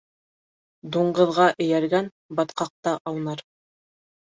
Дуңғыҙға эйәргән батҡаҡта аунар.